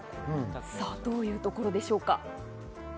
どういうところでしょうか？